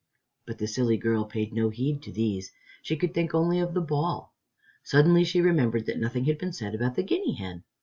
But the silly girl paid no heed to these. She could think only of the ball. Suddenly she remembered that nothing had been said about the guinea hen.